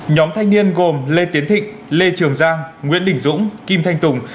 nhóm thanh niên gồm lê tiến thịnh lê trường giang nguyễn đình dũng kim thanh tùng